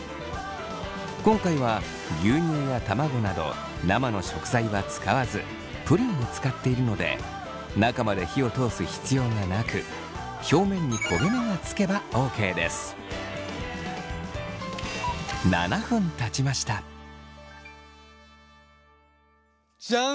今回は牛乳や卵など生の食材は使わずプリンを使っているので中まで火を通す必要がなく表面に焦げ目がつけばＯＫです。じゃん！